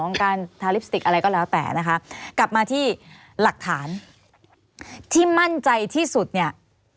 การทาลิปสติกอะไรก็แล้วแต่นะคะกลับมาที่หลักฐานที่มั่นใจที่สุดเนี่ย